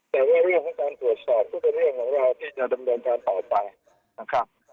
แต่ว่าเรื่องของการตรวจสอบก็เป็นเรื่องของเราที่จะดำเนินการต่อไปนะครับ